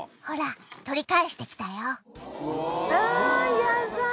ほら取り返してきたよ。